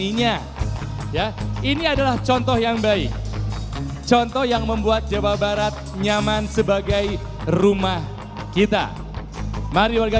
ini adalah contoh yang baik contoh yang membuat jawa barat nyaman sebagai rumah kita mari warga